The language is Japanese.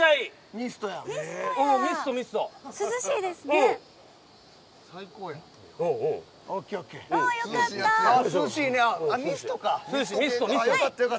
ミストか。